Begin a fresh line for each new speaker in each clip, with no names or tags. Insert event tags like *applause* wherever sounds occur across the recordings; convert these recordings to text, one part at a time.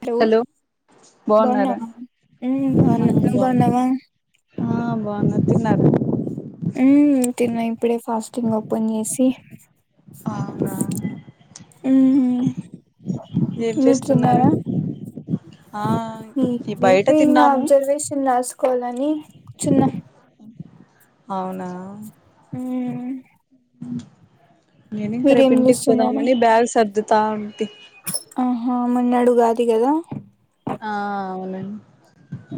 Hello
బాగున్నారా
బన్నావ హు బన్న
ఆ
నువ్వు
బాగున్నా
బన్నావ
ఆ బాగున్న తిన్నా
ఉ తిన్నా ఇప్పుడే ఫాస్టింగ్ ఓపెన్ చేసి
అవునా
హు
ఏం చేస్తున్నారు ఆ ఈ బయట
*unintelligible*
తిన్నాము
అబ్జర్వేషన్ రాసుకోలని కూచున్న
అవునా
హూ
నేను ఇంకా రేపు ఇంటికి
చేస్తున్నారు
పోదామని బ్యాగ్ సర్దుతా ఉంటి
ఆహా మొన్నాడు ఉగాది కదా
ఆ అవునం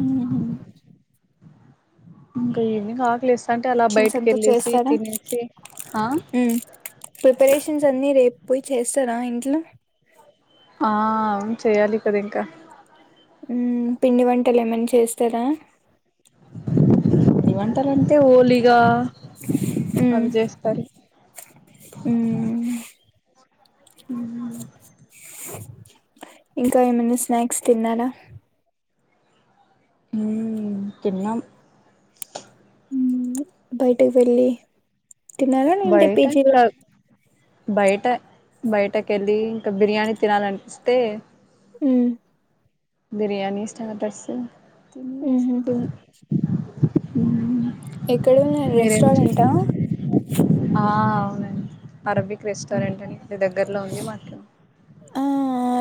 ఉమ్
ఇంకా ఈవినింగ్ ఆకలేస్
*unintelligible* ఎంత చేస్తారా
ఆ
ప్రిపరేషన్స్ అన్ని రే పోయి చేస్తార ఇంట్లో
ఆ చెయ్యాలి కదా ఇంక
పిండి వంటలు ఏమన చేస్తార
పిండి వంటలంటే ఓలీగా
హు హు
ఉ
ఇంకా ఏమైనా స్నాక్స్ తిన్నార
హు తినం
బయటకు వెళ్ళి తిన్నారా *unintelligible* పీజీలో
ఇంకా బయట బయట కెళ్ళి ఇంకా బిర్యానీ తినాలనిపిస్తే
హు
బిర్యానీ స్టటర్స్
ఉహు
తినేస్తి
ఎక్కడున్న రెస్టారెంటా
ఆ అవునండి అరబిక్
హ్మ్.
రెస్టారెంట్ అనీ దగ్గరలో ఉంది మా *unintelligible*
ఆ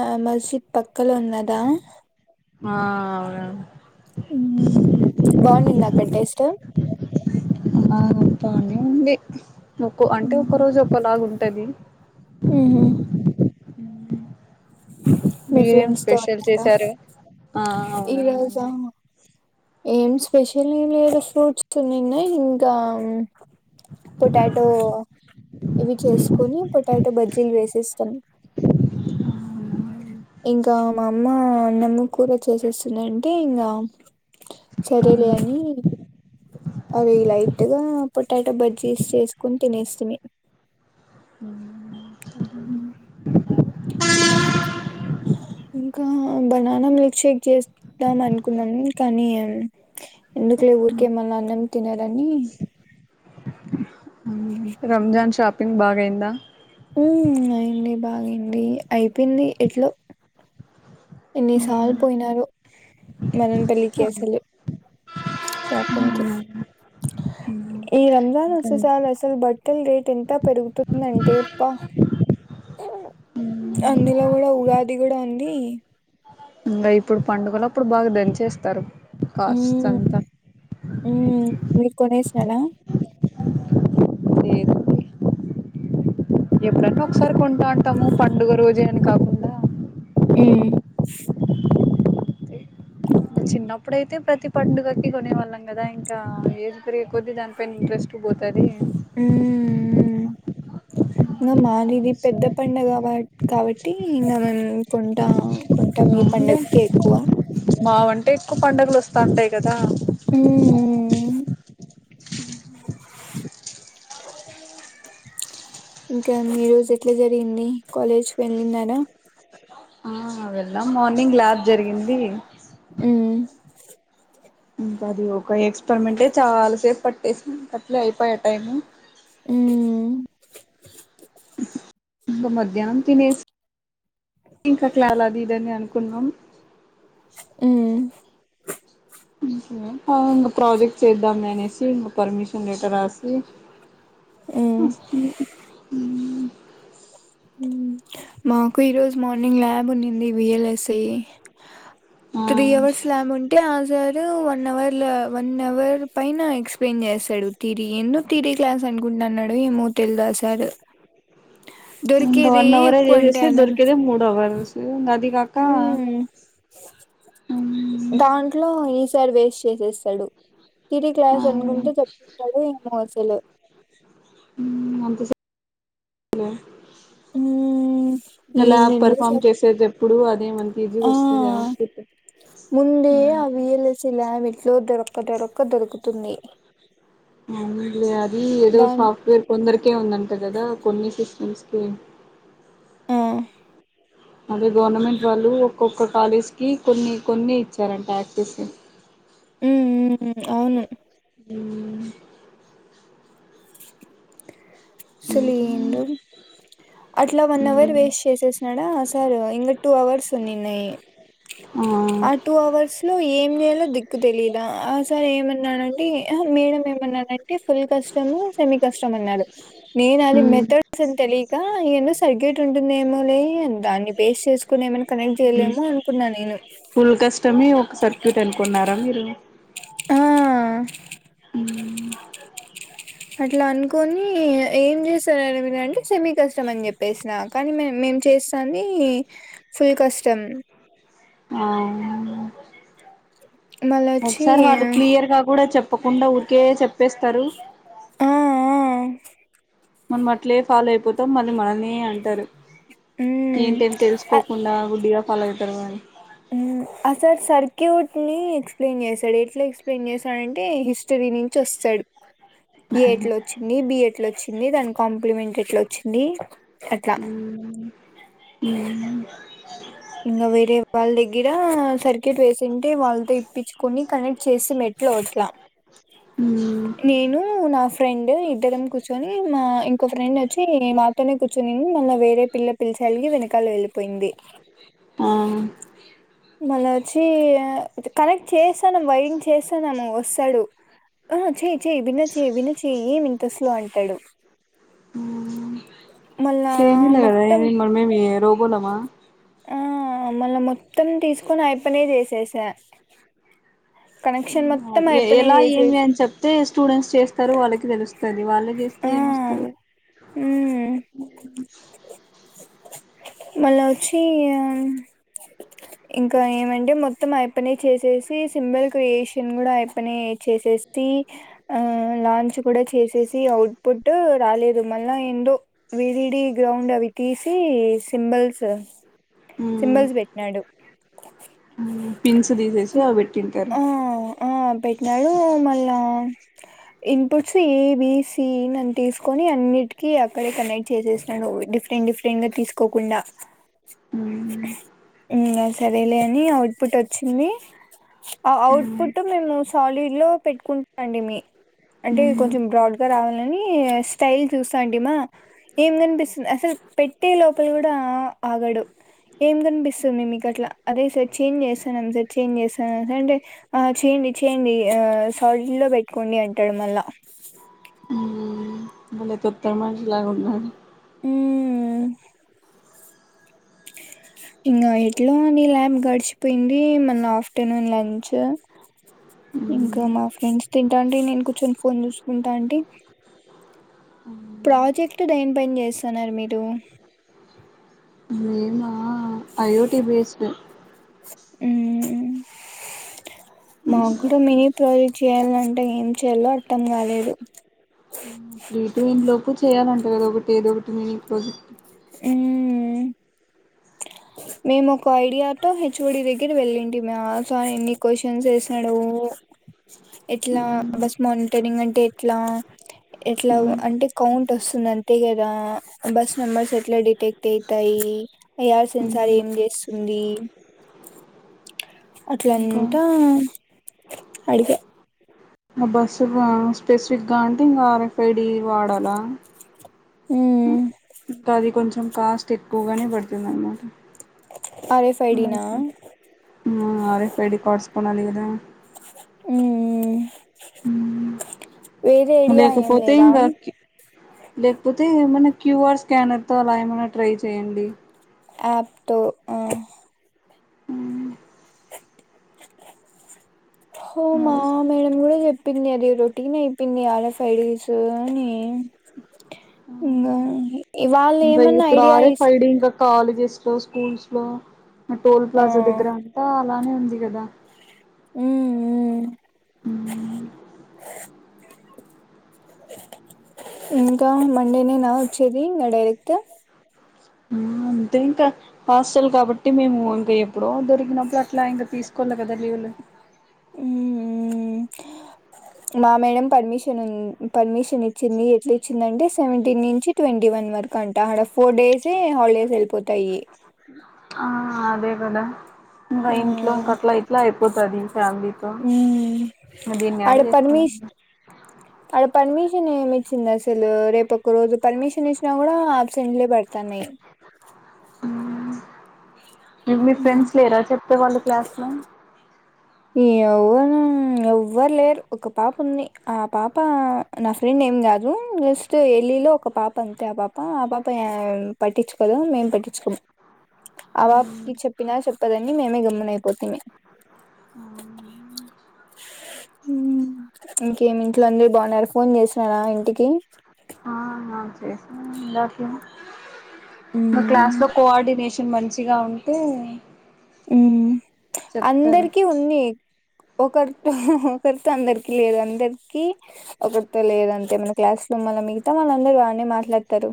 *unintelligible* పక్కలో ఉన్నదా
ఆ
ఉ బాగునినింద అక్కడ టేస్ట్
ఆ బానే ఉంది ఒకో అంటే ఒక్క రోజు ఒకో లాగ ఉం తది
ఊహు మీ
మీరేం
ఫ్రెండ్స్ తో
స్పెషల్ చేశారు
*unintelligible*
ఆ
ఈరోజ
అవునవునండి
ఏం స్పెషల్ లేదు ఫ్రూట్స్ తినిన్న ఇంకా పొటాటో ఇవి చెస్ కొని పొటాటో బజ్జీలు వేసేస్తాను ఇంకా మా అమ్మ అన్నము కూర చేసేసినింటే ఇంగ సరేలే అని అది లైట్గా పొటాటో బజ్జీస్ చేసుకొని తినేస్థిమి
హు
ఉ ఇంకా బనాన మిల్క్ షేక్ చేస్తాం అనుకున్నాం కానీ ఎందు కులే ఊరికే మళ్ళ అన్నం తినరనీ
రంజాన్ షాపింగ్ బాగయిందా
ఉ అయ్యింది బాగ అయ్యింది అయిపోయింది ఎట్లో ఎన్ని సార్లు పోయినారో మనన్ పెళ్లికి అసలు షాపింగ్కి. ఈ రంజాన్ వస్తే సాల్
ఇంకా
అసల్ బట్టల్ రేట్ ఎంత పెరుగుతుందంటే పా అందులో గుడ ఉగాది గుడా ఉంది.
ఇంగ ఇప్పుడు పండుగలప్పుడు బాగా దంచేస్తారు కాస్ట్స్ అంతా
మ్ మీర్ కొనేసారా
ఎప్పుడన్న ఒకసారి కొంటా అంటాము పండుగ రోజే అని కాకుండా
మ్
చిన్నప్పుడైతే ప్రతి పండుగకి కొనేవాళ్ళం కదా ఇంకా ఏజ్ పెరిగే కొద్దీ దానిపైన ఇంట్రెస్ట్ పోతది.
మ్.. ఇంగ మాది ఇది పెద్ద పండగ కాబ కాబట్టి ఇగ మేం కొంటా కొంటాం. ఈ
అవునులే
పండక్కే ఎక్కువ
ఎక్కొ పండగల్ వస్తా ఉంటయి కదా
ఉమ్ ఇంకా మీ రోజు ఎట్ల జరిగింది. కాలేజ్ వెళ్ళినారా
ఆ వెళ్ళాం. మార్నింగ్ ల్యాబ్ జరిగింది.
మ్
ఇంకా అది ఒక ఎక్స్పరిమెంటే చాలాసేప్ పట్టేసింది. అట్లే అయిపాయా టైం
హ్మ్
ఇంకా మధ్యాహ్నం తినేసి ఇంకా క్లాల అది ఇది అని అనుకున్నాం.
మ్
ఆ ఇంగ ప్రాజెక్ట్ చేద్దామే అనేసి ఇంక పర్మిషన్ లెటర్ రాసి
ఉమ్
*unintelligible*
మ్ మాకు ఈరోజు మార్నింగ్ ల్యాబ్ ఉండింది. విఎల్ఎస్ఐ
ఆ
త్రీ అవర్స్ ల్యాబ్ ఉంటే ఆ సార్ వన్ అవర్ ఇలా వన్ అవర్ పైన ఎక్స్ప్లెయిన్ చేసాడు. తీరి ఏందో తిరీ క్లాస్ అనుకుంట అన్నాడో ఏమో తెల్దా ఆ సార్
ఇంకా వన్ అవరే చేసేస్తే దొరికేదే మూడు అవర్స్ అది కాక
అ దాంట్లో ఈ సార్ వేస్ట్ చేసేస్తడు. తీరి
ఆ
క్లాస్ అనుకుంట చెప్తాడో ఏమో అసలు
మ్ అంత సే లే
మ్...
ఎలా పర్ఫార్మ్ చేసేదెప్పుడు అదేమంత ఈజీగా
ఆ
వస్తది అవుట్ ఫిట్
ముందే ఆ విఎల్ఎసి ల్యామ్ ఎట్లో దొరక్క దొరక్క దొరుకుతుంది.
అవునులే అది ఏదో
దాన్
సాఫ్ట్వేర్ కొందర్కే ఉందంట కదా కొన్ని సిస్టమ్స్ ఓకే
ఆ
అదే గవర్నమెంట్ వాళ్ళు ఒక్కొక్క కాలేజ్కి కొన్ని కొన్ని ఇచ్చారంట యాక్సెస్
మ్ మ్ అవును
మ్
అసల్
మ్
ఏందో అట్లా వన్ అవర్
మ్
వేస్ట్ చేసేసినాడ సార్ ఇంకా టూ అవర్స్ ఉనిన్నయి ఆ టూ అవర్స్లో ఏం ఏం చేయాలో దిక్కు తెలిదా ఆ సార్ ఏమన్నాడంటే అహ మేడం ఏమన్నారంటే ఫుల్ కస్టము సెమి కష్టం అన్నాడు. నేన్ అది
ఉమ్
మెథడ్స్ అని తెలీక క ఏందో సర్కిట్ ఉంటుందేమో లే అని దాన్ని బేస్ చేసకొని ఏమన్
మ్ ఫుల్ కష్టమ ఒక సర్క్యూట్ అనుకున్నారా మీరు
ఆ అట్లా అనుకోని ఏం చేస్తారని మీంటే సెమీ కష్టం అని చెప్పేసిన కానీ మేం మే ఏం చేస్తాన్ది ఫుల్ కష్టం
ఆ
మళ్ళ వచ్చి
ఒకసారి వాళ్ళు క్లియర్ గా కూడా చెప్పకుండా ఊరికే చెప్పేస్తారు
ఆ ఆ
మనం అట్లే ఫాలో అయిపోతాం మళ్ళీ మనల్నే అంటారు ఏంటేని
మ్మ్
తెలుసుకోకుండా గుడ్డిగా ఫాలో అయ్తారు కాని
మ్ అసార్ సర్క్యూట్ ని ఎక్స్ప్లెయిన్ చేశాడు ఎట్లా ఎక్స్ప్లెయిన్ చేసాడంటే హిస్టరీ నుంచి వస్తాడు ఎ ఎట్ లోచ్చింది బి ఎట్ లో వచ్చింది దానికి కాంప్లిమెంట్ ఎట్లా వచ్చింది అట్లా
హ్మ్
ఇంగ వేరే వాళ్ళ దగ్గిర సర్ *unintelligible* వేసింటే వాళ్ళతో ఇప్పించుకని కనెక్ట్ చేసి మెట్లో వట్లా
హ్మ్
నేను నా ఫ్రెండ్ ఇద్దరం కూర్చొని మా ఇంకో ఫ్రెండ్ వచ్చి మాతోనే కూర్చొనింది మన వేరే పిల్ల పిలిచలిగి వెనకాల వెళ్ళిపోయింది
ఆ
మళ్ళ వచ్చి కనెక్ట్ చేసాను వైరింగ్ చేసానము వస్తాడు ఆ చెయ్ చెయ్ బినా చేయ్ బినా చెయ్ ఏమి ఇంత స్లో అంటాడు మళ్ళా మొత్తం
*inaudible* మనమేమీ రోబోలమా
ఆ మళ్ళ మొత్తం తీసుకొని ఆ యప్పనే చేసేసా కనెక్షన్
ఊ
మొత్తం
ఎ
అయిపోనే
ఎలా ఏమి
చేసేసి
అని చెప్తే స్టూడెంట్స్ చేస్తారు వాళ్ళకి తెలుస్త ది వాళ్ళే చేస్తే
ఆ
ఏం వస్తది
ఉమ్ మళ్ళ వచ్చి యం ఇంకా ఏమంటే మొత్తం ఆ యప్పనే చేసేసి సింబల్ క్రియేషన్ కూడా ఆ యప్పనే చే టెస్టి ఆ లాంచ్ కూడా చేసేస్ తి అవుట్ పుట్ రాలేదు మళ్ళా ఏందో వి డి డి గ్రౌండ్ అవి తీసి సిమ్ బల్స్
ఉమ్
సింబల్స్ పెట్టినాడు
పిన్స్ తీసేసి అవి పెట్టింటారు
ఆ ఆ పెట్టినాడు మళ్ళా ఇన్పుట్స్ ఏ బీ సీ నన్ తీసుకొని అన్నిటికి అక్కడే కనెక్ట్ చేసేస్నాడు డిఫరెంట్ డిఫరెంట్ గా తీసుకోకుండా
ఊ
ఇంగ సరేలే అని అవుట్ పుట్ వచ్చింది ఆ ఔట్ పుట్ మేము సాలిడ్ లో *unintelligible* పెట్టుకుంటా డిమి అంటే కొంచెం బ్రాడ్ లని స్టైల్ చూసాంటిమా ఏం కనిపిస్తుంది అసలు పెట్టే లోపల కూడా ఆగడు ఏం కనిపిస్తుంది మీకు అట్లా అదే సార్ చేంజ్ చేస్తాన్నాం సార్ చేంజ్ చేస్తానాం సార్ అంటే ఆ చేం ని ఛేంజ్ చేయ్యి ఆ సాల్ట్ లో పెట్టుకోండి అంటాడు మళ్ళా
ఊ భలే *inaudible* మాట్లాగున్నా
ఊ అ ఇంకా ఎట్లో ఆ నీ ల్యాబ్ గడిచిపోయింది మళ్ళ ఆఫ్టర్నూన్ లంచ్ ఇంకా మా ఫ్రెండ్స్ తింటా ఉంటే నేను కూర్చొని ఫోన్ చూసుకుంటాంటి ప్రాజెక్టు దేనిపైన చేస్సన్నారు మీరు
అయోటి బేస్డ్
ఉ మా కుడా మినీ ప్రాజెక్ట్ చేయాలంటే ఏం చేయాలో అర్థం కాలేదు
ట్రీట్మెంట్ లోపు చేయాలంటారు కదా ఒకటి ఏదో ఒకటి నేను ఈ ప్రాజెక్ట్
ఉ మేము ఒక ఐడియాతో హెచ్ఓడి దగ్గర వెళ్ళింటి మా సా ఎన్ని క్వశ్చన్స్ వేసాడో ఎట్లా బస్ మానిటరింగ్ అంటే ఎట్లా ఎట్లా అంటే కౌంట్ వస్తుంది అంతే కదా బస్ నెంబర్స్ ఎ ఎట్లా డిటెక్ట్ అయితాయి ఐ సెన్సార్ ఏం చేస్తుంది
ఇంకా
అట్లాంటా అడిగా
ఆ బస్సు స్పెసిఫిక్గా అంటే ఇంకా ఆర్ఎఫ్ ఐడి వాడాలా
ఉమ్
గది కొంచెం కాస్ట్ ఎక్కువగానే పడుతుంది అనమాట
ఆరఫ్ఐడినా
ఆ ఆర్ఎఫ్ఐడి కార్డ్స్ కొనాలి గదా
హుమ్
లేకపోతే ఇంకా లేకపోతే మన క్యూఆర్ స్కానర్తో అలా ఏమైనా ట్రై చేయండి
యాప్తో హో మా
మరి
మేడం కూడా చెప్పింది అది రొటీకి న అయిపోంది ఆలా ఫ్రైడ్ రైస్ అని ఇకా
బయిప్పుడారే సైడింగ్ క కాలేజెస్ లో స్కూల్స్ లో టోల్
ఆ
ప్లాజా దగ్గర అంతా అలానే ఉంది కదా
ఉ
హ
ఇంకా మండేనే నా వచ్చేది ఇంకా డైరెక్ట్
అంతే ఇంకా హాస్టల్ కాబట్టి మేము ఇంకా ఎప్పుడో దొరికినప్పుడు అట్లా ఇంకా తీసుకో కదలీ వాల్
మా మేడం పర్మిషన్ ఉ పర్మిషన్ చిన్ని చిన్ని ఎట్ల ఇచ్చిందంటే సెవెంటీన్ నుంచి ట్వంటీ వన్ వరకు అంట ఆడఫ్ ఫోర్ డేసే హాలిడేస్ వెళ్ళిపోతాయి
ఆ అదే కదా ఇంకా
ఆ
ఇంట్లో ఇంకా అట్లా ఇట్లా అయిపోతుది ఫ్యామిలీతో
ఉమ్
దీన్ని ఆడ చేస్తుడి
చి చిహ్నా సలు రే ప ఒక రోజు పర్మిషన్ ఇచ్చినా కూడా అబ్సెంట్లే పెడతాన్నాయి
మీకు మీ ఫ్రెండ్స్లో ఎరా చెప్పేవాళ్ళు క్లాస్లో
ఈ అవనా ఎవ్వరు లేరు ఒక పాప ఉంది ఆ పాప నా ఫ్రెండ్ ఏం కాదు జస్ట్ ట్ వెళ్ళిలో ఒక పాప ఉంతే ఆ పాప ఆ పాప పట్టించుకోద మేం పట్టించుకో ఆ బాబకి చెప్పినా చెప్పదని మేమే గమ్మన అయిపోతున్నా ఇంకేమి ఇంట్లో అందరు బాగున్నారు ఫోన్ చేసినారా ఇంటికి
ఆ ఆ క్లాస్ లో కోఆర్డిేషన్ కొ మంచిగా ఉంటే చెప్తారు
అందరికిీ ఉంది ఒకరితో ఒకరితో అందరికి లేదు అందరికి ఒకరితో లేదు అంటే మన క్లాస్ రూమ్ వల్ల మిగతాళ్ళందరు వాడినే మాట్లాత తరు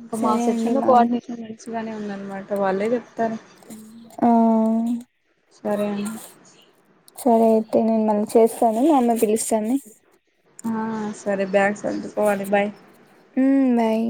ఇంక మా
సరే
సెక్షన్
అండి
లో
మా
కోఆర్డినేషన్ మంచిగానే ఉందనమాట వాళ్ళే చెప్ తర్ మ్
ఆ
సరే అండి.
మ్ మళ్ళీ చేస్తాను మా అమ్మ పిలుస్తంది.
ఆ సరే బ్యాగ్ సర్దుకోవాలి బాయ్
ఉమ్, బాయ్